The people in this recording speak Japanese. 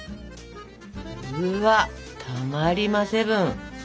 うわたまりまセブン！